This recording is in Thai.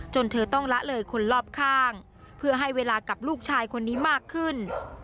เธอต้องละเลยคนรอบข้างเพื่อให้เวลากับลูกชายคนนี้มากขึ้น